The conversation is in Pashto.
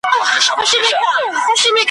په یوه تعویذ مي سم درته پر لار کړ `